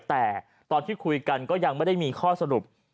แต่ตอนที่คุยกันก็ยังไม่ได้มีข้อสรุป